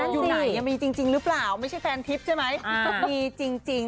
อยู่ไหนมีจริงหรือเปล่าไม่ใช่แฟนทิพย์ใช่ไหมมีจริง